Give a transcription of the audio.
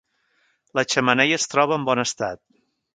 La xemeneia es troba en bon estat.